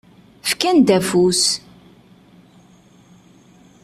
Fkan-d afus.